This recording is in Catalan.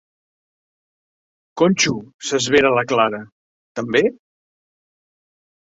Conxo! —s'esvera la Clara— També?